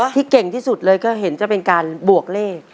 เก่งที่สุดเลยก็เห็นจะเป็นการบวกเลข